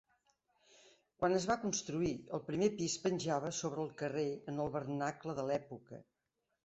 Quan es va construir, el primer pis penjava sobre el carrer en el vernacle de l'època.